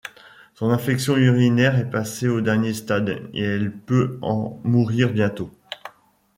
Son infection urinaire est passée au dernier stade et elle peut en mourir bientôt.